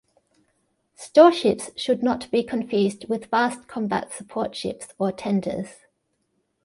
Storeships should not be confused with fast combat support ships or tenders.